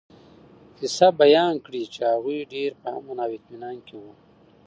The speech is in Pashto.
قصّه بيان کړي چې هغوي ډير په امن او اطمنان کي وو